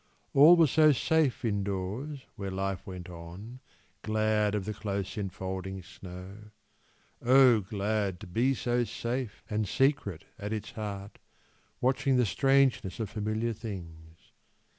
All was so safe indoors where life went on Glad of the close enfolding snow O glad To be so safe and secret at its heart, Watching the strangeness of familiar things.